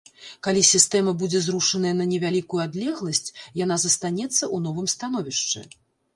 Калі сістэма будзе зрушаная на невялікую адлегласць, яна застанецца ў новым становішчы.